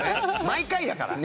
毎回だから。